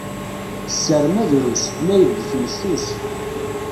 Sser ma drus, ma igget messus.